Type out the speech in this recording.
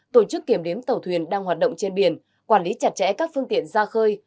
tổ chức kiểm đếm tàu thuyền đang hoạt động trên biển quản lý chặt chẽ các phương tiện ra khơi